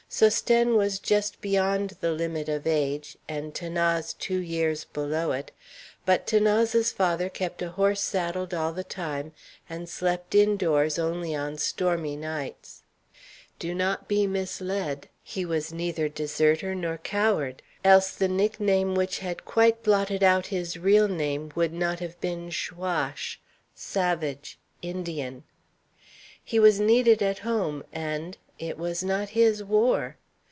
Sosthène was just beyond the limit of age, and 'Thanase two years below it; but 'Thanase's father kept a horse saddled all the time, and slept indoors only on stormy nights. Do not be misled: he was neither deserter nor coward; else the nickname which had quite blotted out his real name would not have been Chaouache savage, Indian. He was needed at home, and it was not his war.